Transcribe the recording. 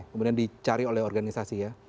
kemudian dicari oleh organisasi ya